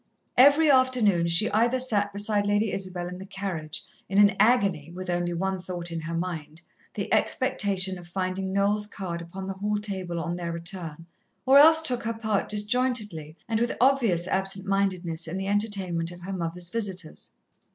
Every afternoon she either sat beside Lady Isabel in the carriage in an agony, with only one thought in her mind the expectation of finding Noel's card upon the hall table on their return or else took her part disjointedly and with obvious absent mindedness in the entertainment of her mother's visitors.